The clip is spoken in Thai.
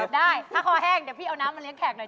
ได้ถ้าคอแห้งเดี๋ยวพี่เอาน้ำมาเลี้ยแขกหน่อย